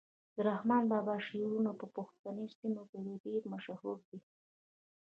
د رحمان بابا شعرونه په پښتني سیمو کي ډیر مشهور دي.